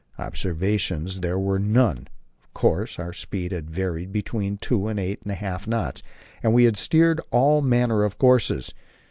Observations there were none, of course; our speed had varied between two and eight and a half knots, and we had steered all manner of courses.